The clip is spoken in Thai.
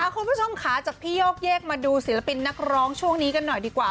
คุณผู้ชมค่ะจากพี่โยกเยกมาดูศิลปินนักร้องช่วงนี้กันหน่อยดีกว่า